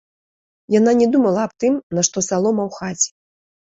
Яна не думала аб тым, нашто салома ў хаце.